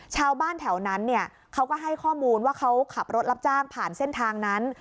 ชาวบ้านแถวนั้นเนี่ยเขาก็ให้ข้อมูลว่าเขาขับรถรับจ้างผ่านเส้นทางนั้น